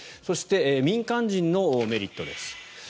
そして、民間人のメリットです。